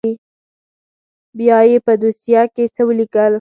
بيا يې په دوسيه کښې څه وليکل.